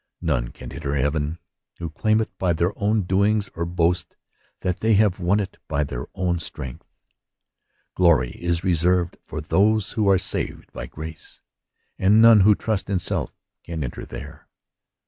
None can enter heaven who claim it by their own doings, or boast that they have won it by their own strength. Glory is reserved for those who are saved by grace, and none who trust in self can enter there.